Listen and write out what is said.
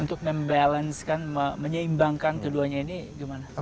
untuk membalansikan menyeimbangkan keduanya ini gimana